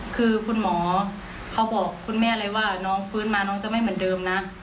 คือคุณหมอเขาบอกคุณแม่เลยว่าน้องฟื้นมาน้องจะไม่เหมือนเดิมนะ